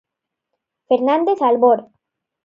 Fernández Albor.